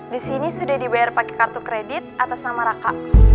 di sini sudah dibayar pakai kartu kredit atas nama raka